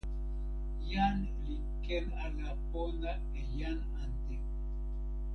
jan li ken ala pona e jan ante.